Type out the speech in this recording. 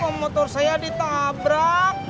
kok motor saya ditabrak